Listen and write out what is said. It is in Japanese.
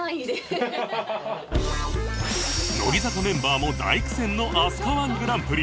乃木坂メンバーも大苦戦の飛鳥 −１ グランプリ